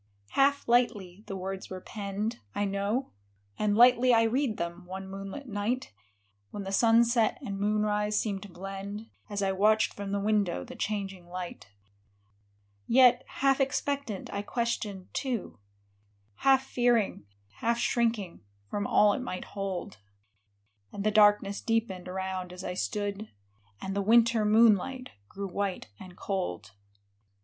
Half lightly the words were penned, I know, And lightly I read them, one moonlit night, When the sunset and moonrise seemed to blend. As I watched from the window the changing light. Yet, half expectant, I questioned, too, Half fearing, half shrinking, from all it might hold ; And the darkness deepened around as I stood ; And the winter moonlight grew white and cold.